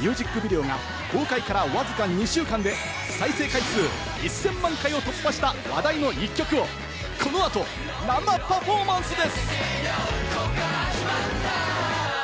ミュージックビデオが公開からわずか２週間で再生回数１０００万回を突破した話題の１曲をこの後、生パフォーマンスです。